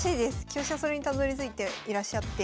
香車それにたどりついていらっしゃって。